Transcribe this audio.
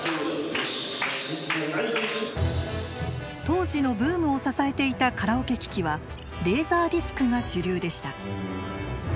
当時のブームを支えていたカラオケ機器はレーザーディスクが主流でした。